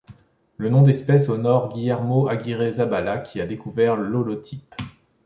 Le nom d'espèce honore Guillermo Aguirre Zabala, qui a découvert l'holotype.